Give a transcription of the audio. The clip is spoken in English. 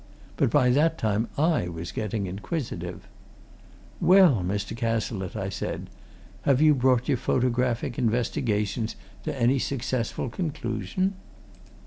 But by that time I was getting inquisitive. "Well, Mr. Cazalette," I said, "have you brought your photographic investigations to any successful conclusion?"